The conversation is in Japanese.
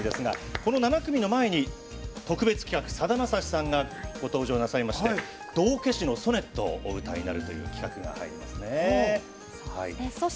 この７組の前に、特別企画さだまさしさんがご登場なさりまして「道化師のソネット」をお歌いになるという企画が入りますね。